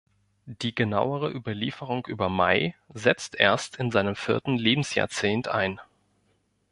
Die genauere Überlieferung über May setzt erst in seinem vierten Lebensjahrzehnt ein.